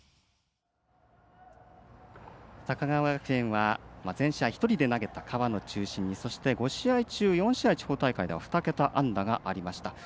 高川学園は全試合１人で投げた河野中心に５試合中、４試合で２桁安打がありました。